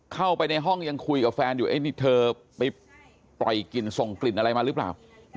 เข้าไปในห้องยังคุยกับแฟนอยู่นี่เธอไปปล่อยกลิ่นส่งกลิ่นอะไรมาหรือเปล่า